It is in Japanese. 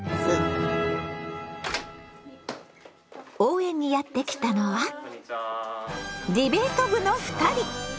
応援にやって来たのはディベート部の２人！